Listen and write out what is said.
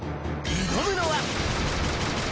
挑むのは。